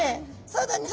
「そうだね